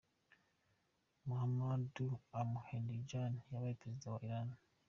Mahmoud Ahmedinejad yabaye perezida wa Iran.